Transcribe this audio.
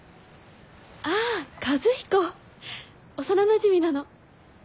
あ和彦幼なじみなの。